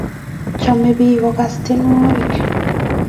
Chamei piik kokase tyenwogik